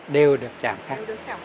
đều được chàm khắc